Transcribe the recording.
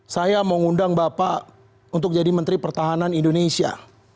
saya mau ngundang bapak untuk jadi menteri pertahanan indonesia